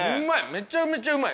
めちゃめちゃうまい。